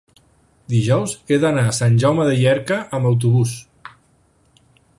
dijous he d'anar a Sant Jaume de Llierca amb autobús.